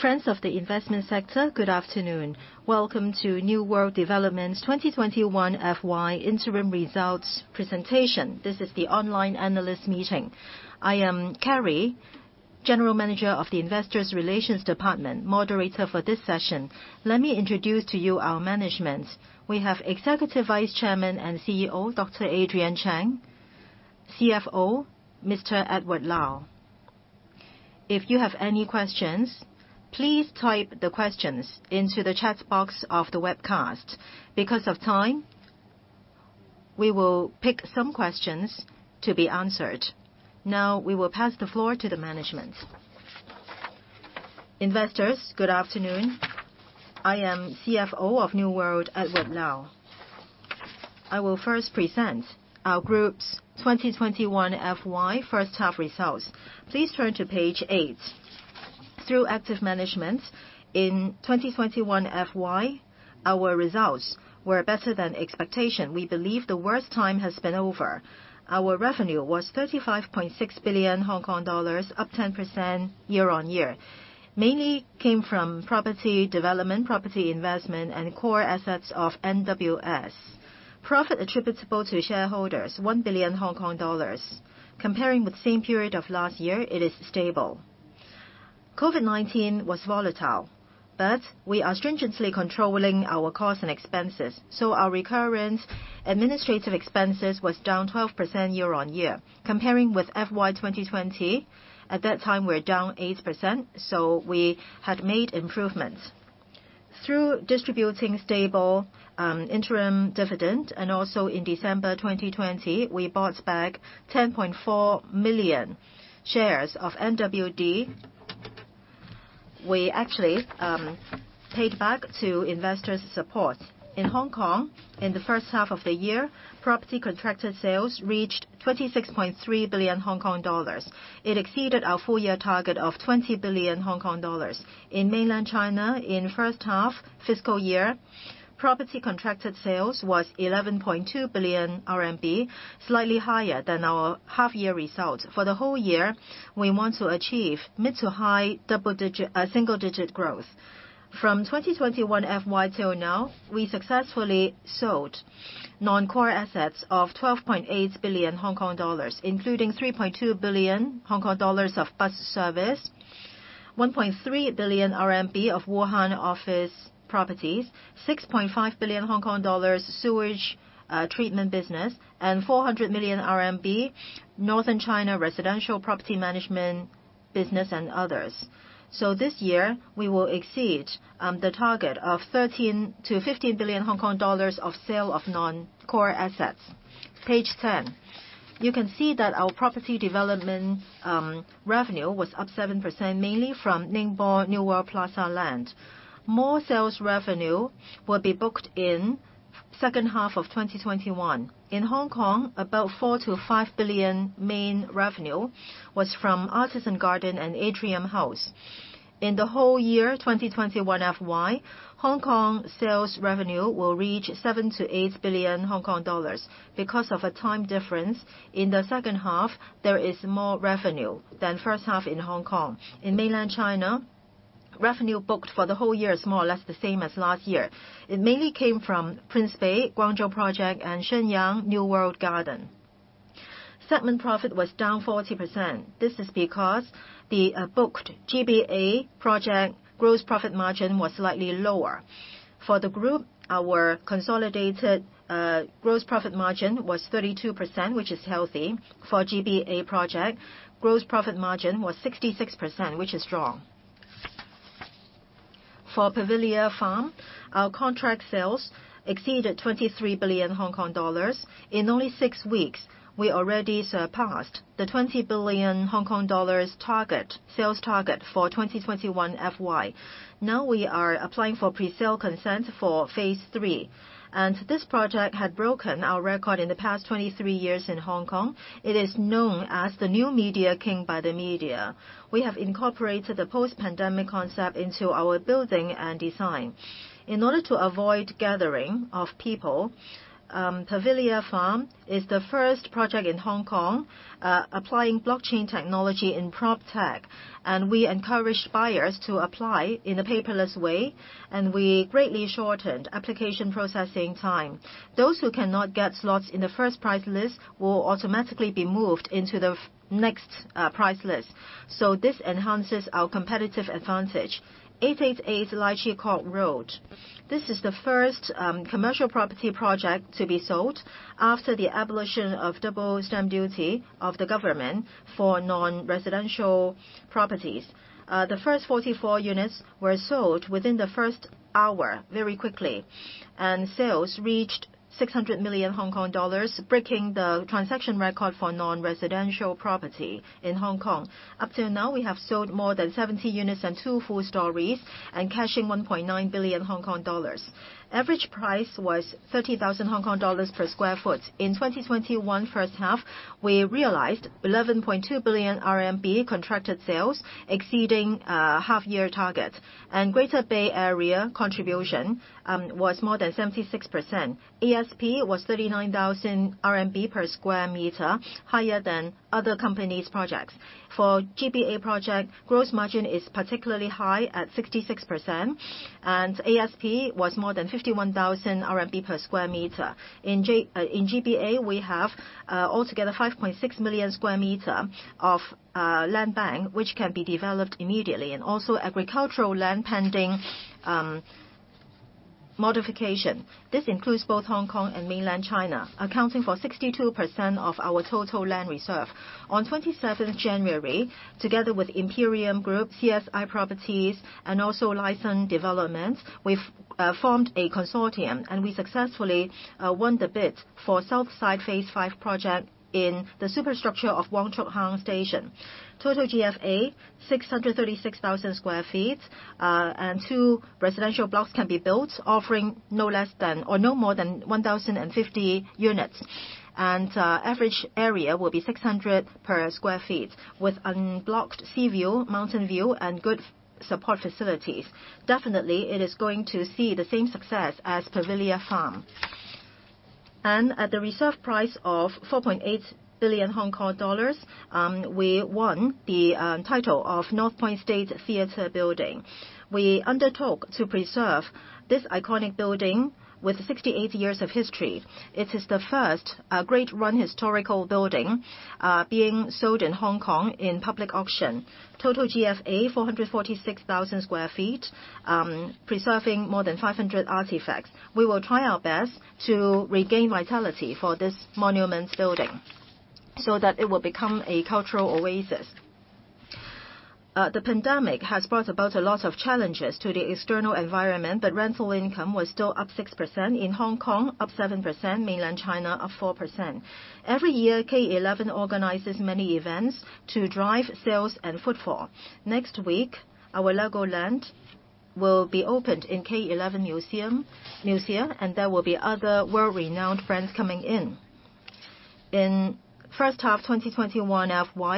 Friends of the investment sector, good afternoon. Welcome to New World Development's 2021 FY interim results presentation. This is the online analyst meeting. I am Carrie, general manager of the Investor Relations Department, moderator for this session. Let me introduce to you our management. We have Executive Vice Chairman and CEO, Dr. Adrian Cheng. CFO, Mr. Edward Lau. If you have any questions, please type the questions into the chat box of the webcast. Because of time, we will pick some questions to be answered. We will pass the floor to the management. Investors, good afternoon. I am CFO of New World, Edward Lau. I will first present our Group's 2021 FY first half results. Please turn to Page eight. Through active management in 2021 FY, our results were better than expectation. We believe the worst time has been over. Our revenue was 35.6 billion Hong Kong dollars, up 10% year-over-year. Mainly came from property development, property investment, and core assets of NWS. Profit attributable to shareholders, 1 billion Hong Kong dollars. Comparing with the same period of last year, it is stable. COVID-19 was volatile, but we are stringently controlling our cost and expenses, so our recurrent administrative expenses was down 12% year-over-year. Comparing with FY 2020, at that time we were down 8%, so we had made improvements. Through distributing stable interim dividend and also in December 2020, we bought back 10.4 million shares of NWD. We actually paid back to investors support. In Hong Kong, in the first half of the year, property contracted sales reached 26.3 billion Hong Kong dollars. It exceeded our full year target of 20 billion Hong Kong dollars. In mainland China, in first half fiscal year, property contracted sales was 11.2 billion RMB, slightly higher than our half year results. For the whole year, we want to achieve mid to high single-digit growth. From FY 2021 till now, we successfully sold non-core assets of 12.8 billion Hong Kong dollars, including 3.2 billion Hong Kong dollars of bus service, 1.3 billion RMB of Wuhan office properties, 6.5 billion Hong Kong dollars sewage treatment business, and 400 million RMB Northern China residential property management business and others. This year, we will exceed the target of 13 billion-15 billion Hong Kong dollars of sale of non-core assets. Page 10. You can see that our property development revenue was up 7%, mainly from Ningbo New World Plaza land. More sales revenue will be booked in second half of 2021. In Hong Kong, about 4 billion-5 billion main revenue was from Artisan Garden and Atrium House. In the whole year FY 2021, Hong Kong sales revenue will reach 7 billion-8 billion Hong Kong dollars. Because of a time difference, in the second half, there is more revenue than first half in Hong Kong. In mainland China, revenue booked This project had broken our record in the past 23 years in Hong Kong. It is known as the New Ticket King by the media. We have incorporated the post-pandemic concept into our building and design. In order to avoid gathering of people, The Pavilia Farm is the first project in Hong Kong applying blockchain technology in PropTech. We encourage buyers to apply in a paperless way. We greatly shortened application processing time. Those who cannot get slots in the first price list will automatically be moved into the next price list. This enhances our competitive advantage. 888 Lai Chi Kok Road. This is the first commercial property project to be sold after the abolition of Doubled Stamp Duty of the government for non-residential properties. The first 44 units were sold within the first hour, very quickly. Sales reached 600 million Hong Kong dollars, breaking the transaction record for non-residential property in Hong Kong. Up to now, we have sold more than 70 units and two full stories, and cashing 1.9 billion Hong Kong dollars. Average price was 30,000 Hong Kong dollars per sq ft. In 2021 first half, we realized 11.2 billion RMB contracted sales, exceeding half-year target. Greater Bay Area contribution was more than 76%. ASP was 39,000 RMB per sq m, higher than other companies' projects. For GBA project, gross margin is particularly high at 66%, and ASP was more than 51,000 RMB per sq m. In GBA, we have altogether 5.6 million sq m of land bank, which can be developed immediately, and also agricultural land pending modification. This includes both Hong Kong and Mainland China, accounting for 62% of our total land reserve. On 27 January, together with Imperium Group, CSI Properties, and also Lai Sun Development, we formed a consortium, and we successfully won the bid for The Southside Phase 5 project in the superstructure of Wong Chuk Hang Station. Total GFA, 636,000 sq ft, and two residential blocks can be built, offering no more than 1,050 units. Average area will be 600 per sq ft with unblocked sea view, mountain view, and good support facilities. Definitely, it is going to see the same success as The Pavilia Farm. At the reserve price of 4.8 billion Hong Kong dollars, we won the title of North Point State Theatre Building. We undertook to preserve this iconic building with 68 years of history. It is the first Grade I historic building being sold in Hong Kong in public auction. Total GFA, 446,000 sq ft, preserving more than 500 artifacts. We will try our best to regain vitality for this monument building so that it will become a cultural oasis. The pandemic has brought about a lot of challenges to the external environment, but rental income was still up 6%. In Hong Kong, up 7%, Mainland China, up 4%. Every year, K11 organizes many events to drive sales and footfall. Next week, our LEGOLAND will be opened in K11 MUSEA, and there will be other world-renowned brands coming in. In first half FY 2021,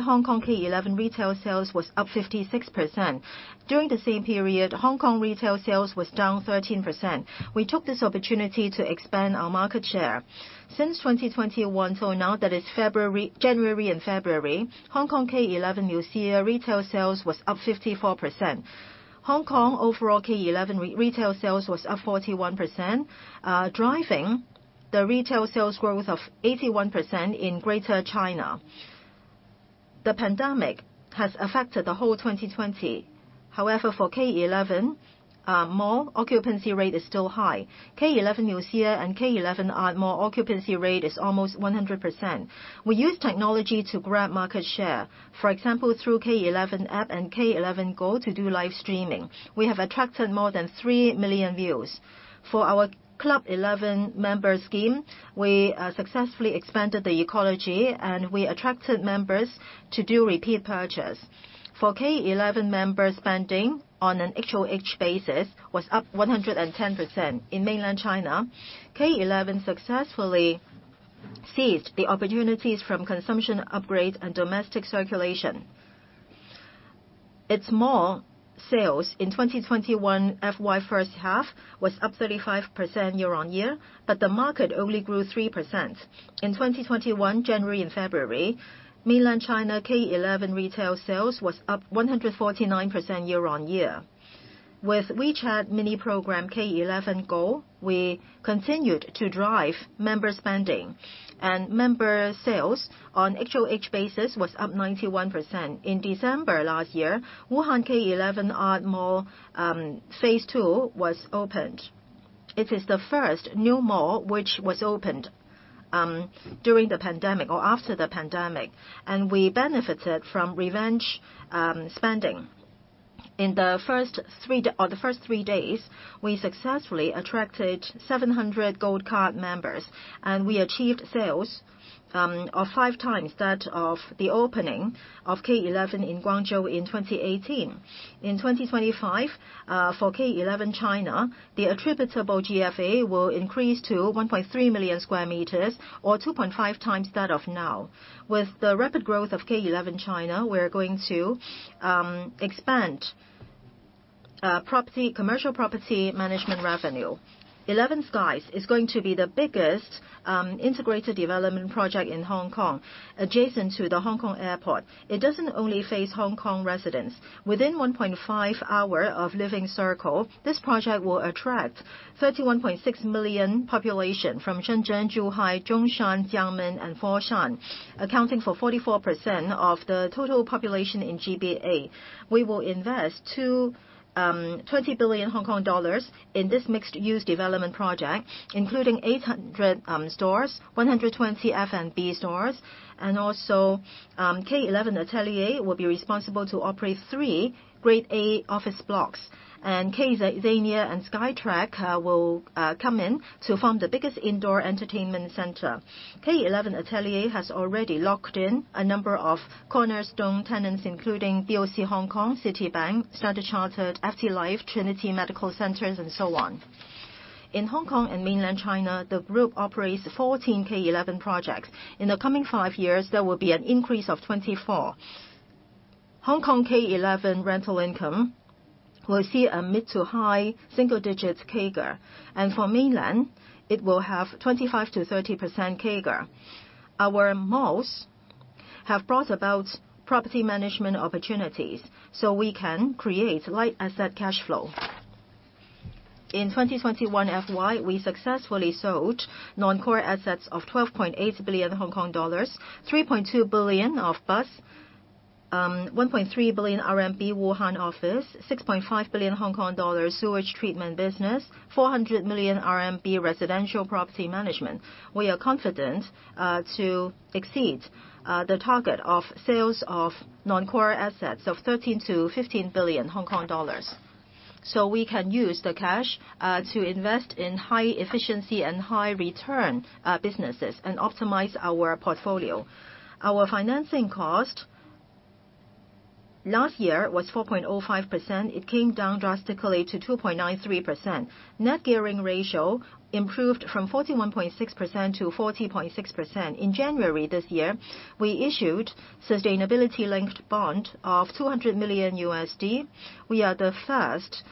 Hong Kong K11 retail sales was up 56%. During the same period, Hong Kong retail sales was down 13%. We took this opportunity to expand our market share. Since 2021 till now, that is January and February, Hong Kong K11 MUSEA retail sales was up 54%. Hong Kong overall K11 retail sales was up 41%, driving the retail sales growth of 81% in Greater China. The pandemic has affected the whole 2020. For K11, mall occupancy rate is still high. K11 MUSEA and K11 ATELIER occupancy rate is almost 100%. We use technology to grab market share. For example, through K11 app and K11 GO to do live streaming. We have attracted more than 3 million views. For our KLUB 11 member scheme, we successfully expanded the ecology, and we attracted members to do repeat purchase. For K11 members spending on an HoH basis was up 110%. In Mainland China, K11 successfully seized the opportunities from consumption upgrade and domestic circulation. Its mall sales in FY 2021 first half was up 35% year-on-year, but the market only grew 3%. In 2021 January and February, Mainland China K11 retail sales was up 149% year-on-year. With WeChat Mini Program K11 GO, we continued to drive member spending. Member sales on HoH basis was up 91%. In December last year, Wuhan K11 Art Mall phase II was opened. It is the first new mall which was opened during the pandemic or after the pandemic, and we benefited from revenge spending. On the first three days, we successfully attracted 700 KLUB 11 Gold Card members, and we achieved sales of five times that of the opening of K11 in Guangzhou in 2018. In 2025, for K11 China, the attributable GFA will increase to 1.3 million sq m or 2.5x that of now. With the rapid growth of K11 China, we're going to expand commercial property management revenue. 11 SKIES is going to be the biggest integrated development project in Hong Kong, adjacent to the Hong Kong Airport. It doesn't only face Hong Kong residents. Within 1.5 hour of living circle, this project will attract 31.6 million population from Shenzhen, Zhuhai, Zhongshan, Xiamen and Foshan, accounting for 44% of the total population in GBA. We will invest 20 billion Hong Kong dollars in this mixed-use development project, including 800 stores, 120 F&B stores, K11 ATELIER will be responsible to operate three Grade A office blocks. KidZenia and SkyTrack will come in to form the biggest indoor entertainment center. K11 ATELIER has already locked in a number of cornerstone tenants including BOC Hong Kong, Citibank, Standard Chartered, FTLife, Trinity Medical Centers, and so on. In Hong Kong and Mainland China, the group operates 14 K11 projects. In the coming five years, there will be an increase of 24. Hong Kong K11 rental income will see a mid to high single-digit CAGR. For Mainland, it will have 25%-30% CAGR. Our malls have brought about property management opportunities, we can create light asset cash flow. In FY 2021, we successfully sold non-core assets of 12.8 billion Hong Kong dollars, 3.2 billion of 1.3 billion RMB Wuhan office, 6.5 billion Hong Kong dollar sewage treatment business, 400 million RMB residential property management. We are confident to exceed the target of sales of non-core assets of 13 billion-15 billion Hong Kong dollars. We can use the cash to invest in high efficiency and high return businesses and optimize our portfolio. Our financing cost last year was 4.05%. It came down drastically to 2.93%. Net gearing ratio improved from 41.6% to 40.6%. In January this year, we issued sustainability-linked bond of $200 million. We are the first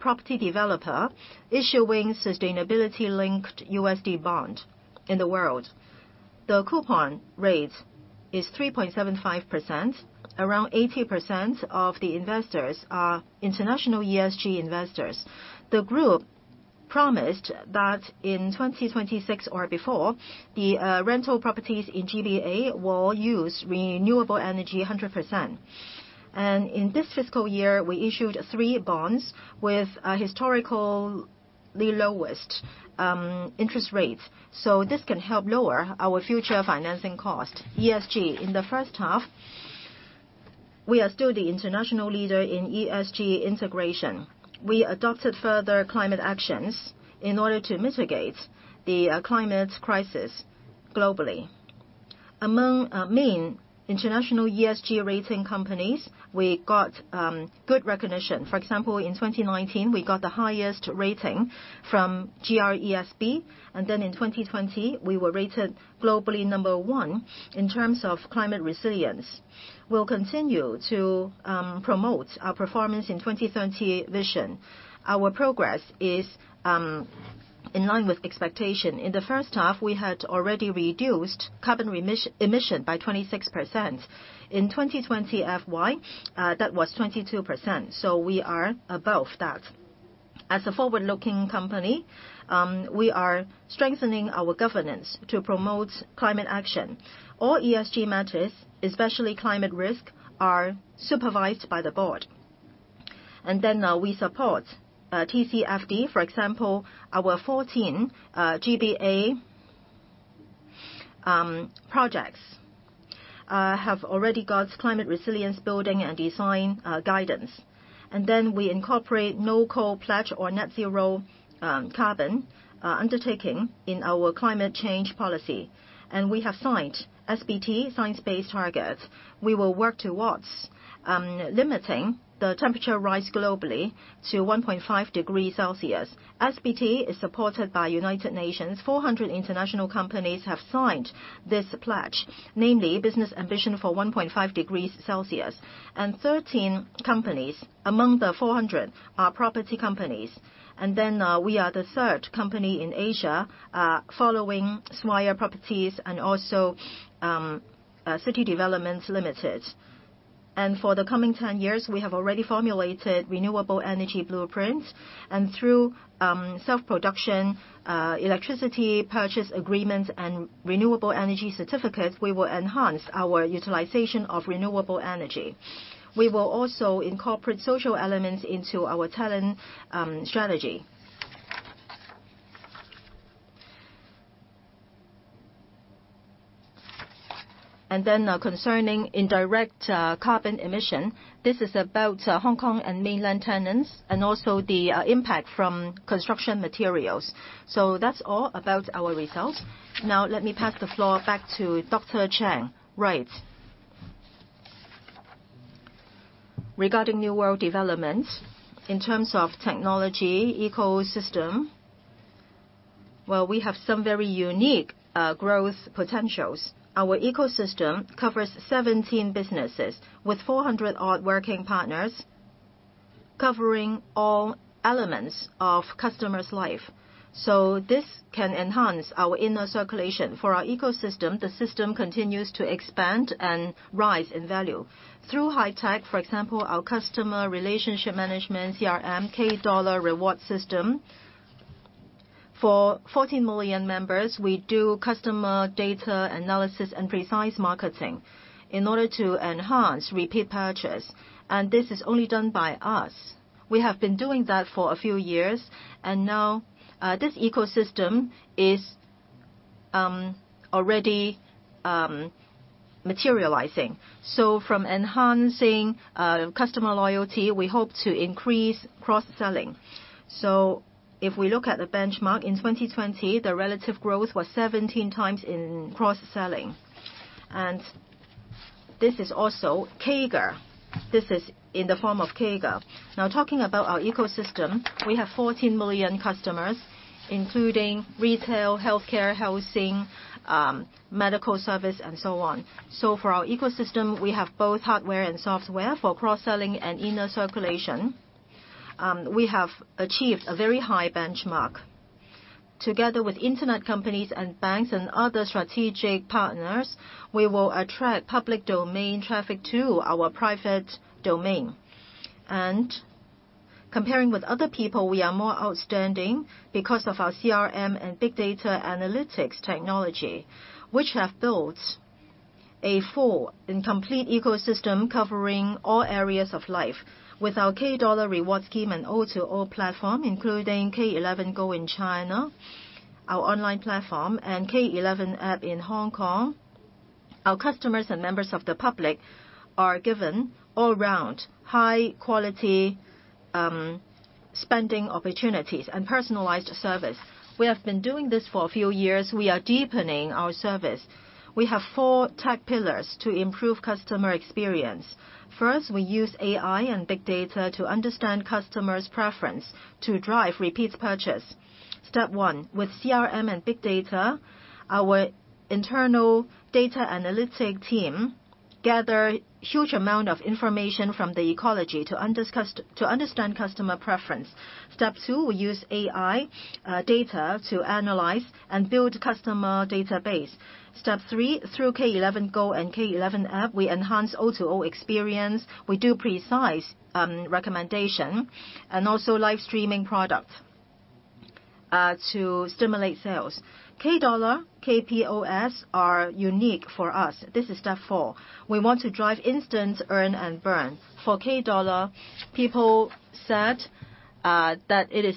property developer issuing sustainability-linked USD bond in the world. The coupon rate is 3.75%. Around 80% of the investors are international ESG investors. The group promised that in 2026 or before, the rental properties in GBA will use renewable energy 100%. In this fiscal year, we issued three bonds with historically lowest interest rates. This can help lower our future financing cost. ESG. In the first half, we are still the international leader in ESG integration. We adopted further climate actions in order to mitigate the climate crisis globally. Among main international ESG rating companies, we got good recognition. For example, in 2019, we got the highest rating from GRESB. In 2020, we were rated globally number one in terms of climate resilience. We'll continue to promote our performance in 2030 vision. Our progress is in line with expectation. In the first half, we had already reduced carbon emission by 26%. In FY 2020, that was 22%. We are above that. As a forward-looking company, we are strengthening our governance to promote climate action. All ESG matters, especially climate risk, are supervised by the board. We support TCFD. For example, our 14 GBA projects have already got climate resilience building and design guidance. We incorporate No Coal Pledge or net-zero carbon undertaking in our climate change policy. We have signed SBT, Science Based Targets. We will work towards limiting the temperature rise globally to 1.5 degrees Celsius. SBT is supported by United Nations. 400 international companies have signed this pledge, namely Business Ambition for 1.5°C. 13 companies among the 400 are property companies. We are the third company in Asia, following Swire Properties and also City Developments Limited. For the coming 10 years, we have already formulated renewable energy blueprints. Through self-production, electricity purchase agreements, and renewable energy certificates, we will enhance our utilization of renewable energy. We will also incorporate social elements into our talent strategy. Concerning indirect carbon emission, this is about Hong Kong and mainland tenants and also the impact from construction materials. That's all about our results. Now let me pass the floor back to Dr. Cheng. Right. Regarding New World Development, in terms of technology ecosystem, well, we have some very unique growth potentials. Our ecosystem covers 17 businesses with 400 odd working partners, covering all elements of customers' life. This can enhance our inner circulation. For our ecosystem, the system continues to expand and rise in value. Through high tech, for example, our customer relationship management, CRM, K Dollar reward system. For 40 million members, we do customer data analysis and precise marketing in order to enhance repeat purchase. This is only done by us. We have been doing that for a few years. Now this ecosystem is already materializing. From enhancing customer loyalty, we hope to increase cross-selling. If we look at the benchmark in 2020, the relative growth was 17x in cross-selling. This is also CAGR. This is in the form of CAGR. Talking about our ecosystem, we have 14 million customers, including retail, healthcare, housing, medical service and so on. For our ecosystem, we have both hardware and software for cross-selling and inner circulation. We have achieved a very high benchmark. Together with internet companies and banks and other strategic partners, we will attract public domain traffic to our private domain. Comparing with other people, we are more outstanding because of our CRM and big data analytics technology, which have built a full and complete ecosystem covering all areas of life. With our K Dollar reward scheme and O2O platform, including K11 GO in China, our online platform, and K11 app in Hong Kong, our customers and members of the public are given all-round high-quality spending opportunities and personalized service. We have been doing this for a few years. We are deepening our service. We have four tech pillars to improve customer experience. First, we use AI and big data to understand customers' preference to drive repeat purchase. Step one, with CRM and big data, our internal data analytic team gather huge amount of information from the ecology to understand customer preference. Step two, we use AI data to analyze and build customer database. Step three, through K11 GO and K11 app, we enhance O2O experience. We do precise recommendation and also live streaming product to stimulate sales. K Dollar, KPOS are unique for us. This is step four. We want to drive instant earn and burn. For K Dollar, people said that it is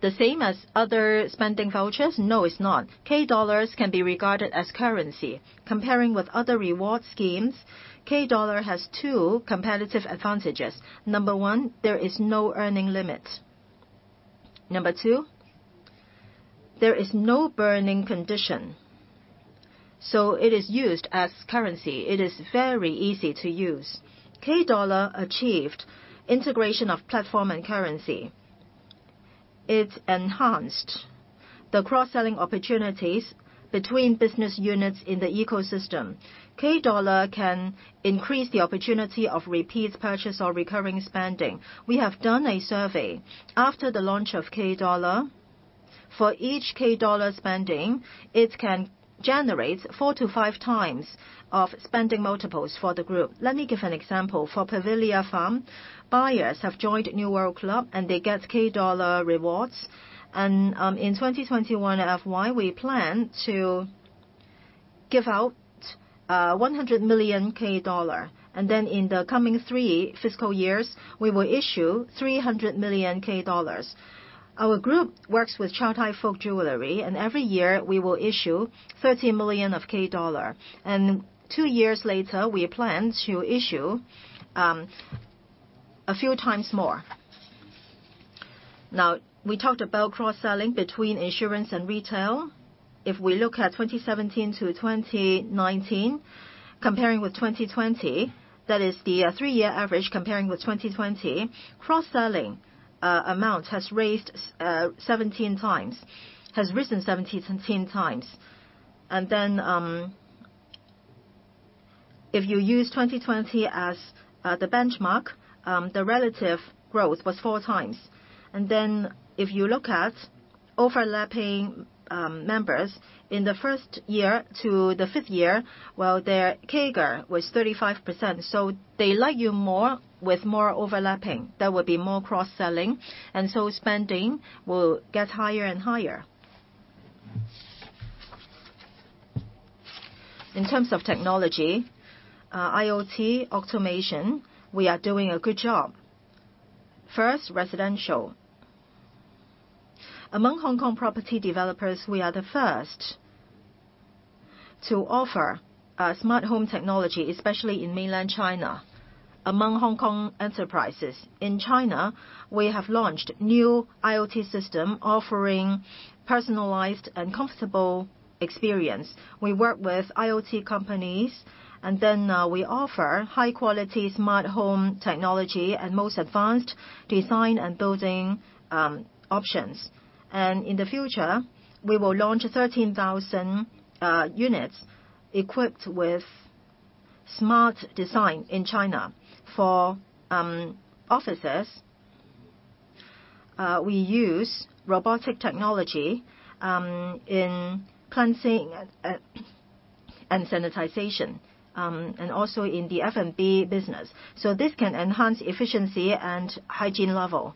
the same as other spending vouchers. No, it's not. K Dollars can be regarded as currency. Comparing with other reward schemes, K Dollar has two competitive advantages. Number one, there is no earning limit. Number two, there is no burning condition. It is used as currency. It is very easy to use. K Dollar achieved integration of platform and currency. It enhanced the cross-selling opportunities between business units in the ecosystem. K Dollar can increase the opportunity of repeat purchase or recurring spending. We have done a survey. After the launch of K Dollar, for each K Dollar spending, it can generate four to five times of spending multiples for the group. Let me give an example. For The Pavilia Farm, buyers have joined New World CLUB, they get K Dollar rewards. In FY 2021, we plan to give out 100 million K Dollar. In the coming three fiscal years, we will issue 300 million K Dollars. Our group works with Chow Tai Fook Jewellery, every year we will issue 30 million of K Dollar. Two years later, we plan to issue a few times more. Now, we talked about cross-selling between insurance and retail. If we look at 2017 to 2019, comparing with 2020, that is the three-year average comparing with 2020, cross-selling amount has risen 17x. If you use 2020 as the benchmark, the relative growth was four times. If you look at overlapping members in the first year to the fifth year, well, their CAGR was 35%. They like you more with more overlapping. There will be more cross-selling, and so spending will get higher and higher. In terms of technology, IoT automation, we are doing a good job. First, residential. Among Hong Kong property developers, we are the first to offer a smart home technology, especially in mainland China, among Hong Kong enterprises. In China, we have launched new IoT system offering personalized and comfortable experience. We work with IoT companies, we offer high-quality smart home technology and most advanced design and building options. In the future, we will launch 13,000 units equipped with smart design in China. For offices, we use robotic technology in cleansing and sanitization, and also in the F&B business. This can enhance efficiency and hygiene level.